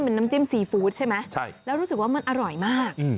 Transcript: เป็นน้ำจิ้มซีฟู้ดใช่ไหมแล้วรู้สึกว่ามันอร่อยมาก